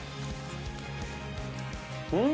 うん！